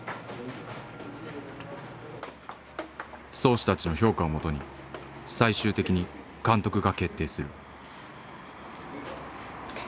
漕手たちの評価をもとに最終的に監督が決定する。